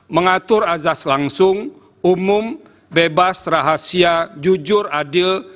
mengatur azas langsung umum bebas rahasia jujur adil